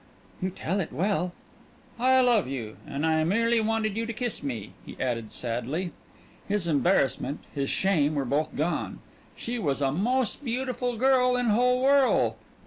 "You tell it well." "I love you and I merely wanted you to kiss me," he added sadly. His embarrassment, his shame, were both gone. She was a mos' beautiful girl in whole worl'.